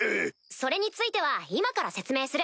それについては今から説明する。